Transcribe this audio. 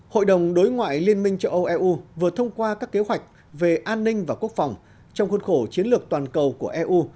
hội đồng đối ngoại liên minh châu âu eu vừa thông qua các kế hoạch về an ninh và quốc phòng trong khuôn khổ chiến lược toàn cầu của eu